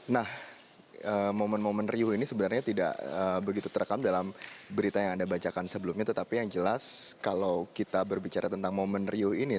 nah momen momen riuh ini sebenarnya tidak begitu terekam dalam berita yang anda bacakan sebelumnya tetapi yang jelas kalau kita berbicara tentang momen riuh ini